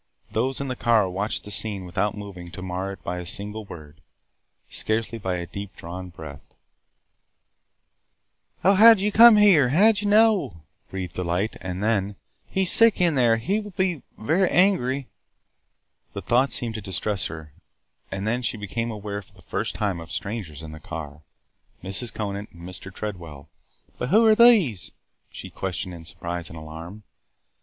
Those in the car watched the scene without moving to mar it by a single word, scarcely by a deep drawn breath. "Oh, how did you come here? How did you know?" breathed Delight. And then, "He is sick – in there! He will be – very angry!" The thought seemed to distress her. And then she became aware for the first time of strangers in the car, Mrs. Conant and Mr. Tredwell. "But who are these?" she questioned in surprise and alarm.